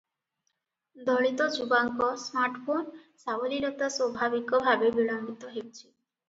ଦଳିତ ଯୁବାଙ୍କ ସ୍ମାର୍ଟଫୋନ ସାବଲୀଳତା ସ୍ୱାଭାବିକ ଭାବେ ବିଳମ୍ବିତ ହେଉଛି ।